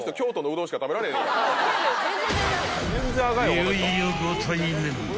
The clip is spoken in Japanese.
［いよいよご対面］